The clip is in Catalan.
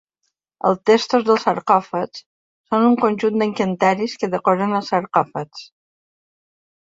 Els Textos dels Sarcòfags són un conjunt d'encanteris que decoren els sarcòfags.